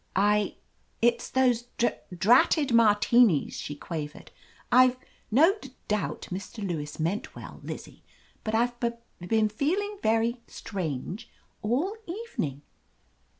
"I — it's those dr dratted Martinis," she qua .vered. "I've — no — d doubt Mr. Lewis meant Iwell, Lizzie, but IVe b been feeling very strange all evening."